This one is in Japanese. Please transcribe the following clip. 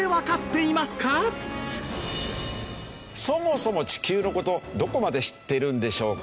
そもそも地球の事どこまで知ってるんでしょうか？